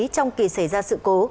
trong kỳ xảy ra sự cố